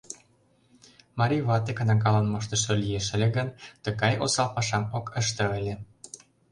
Марий вате кнагалан моштышо лиеш ыле гын, тыгай осал пашам ок ыште ыле.